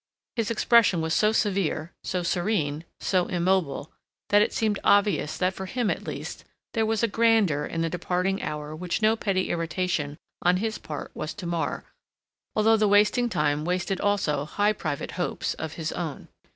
His expression was so severe, so serene, so immobile, that it seemed obvious that for him at least there was a grandeur in the departing hour which no petty irritation on his part was to mar, although the wasting time wasted also high private hopes of his own.